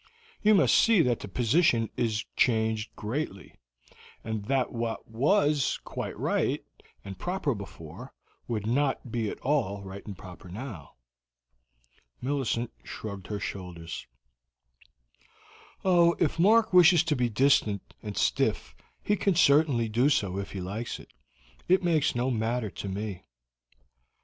You must see that the position is changed greatly, and that what was quite right and proper before would not be at all right and proper now." Millicent shrugged her shoulders. "Oh, if Mark wishes to be distant and stiff he can certainly do so if he likes it. It makes no matter to me."